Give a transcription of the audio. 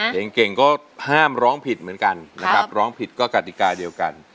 เพลงเก่งก็ห้ามร้องผิดเหมือนกันนะครับร้องผิดก็กติกาเดียวกัน